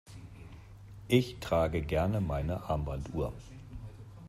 Ich trage gerne meine Armbanduhr.